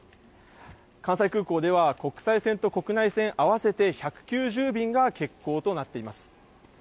関西空港では、国際線と国内線合わせて１９０便が欠航となっています。